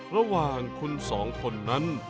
ระหว่างคุณสองคนนั้น